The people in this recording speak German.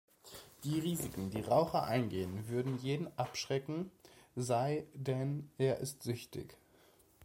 Die Risiken, die Raucher eingehen, würden jeden abschrecken sei denn er ist süchtig.